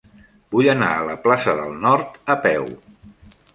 Vull anar a la plaça del Nord a peu.